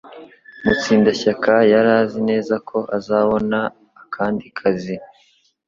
Mutsindashyaka yari azi neza ko azabona akandi kazi.